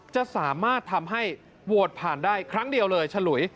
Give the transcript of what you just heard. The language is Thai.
จะสามารถทำให้โหวตผ่านได้ครั้งเดียวเลยฉลุย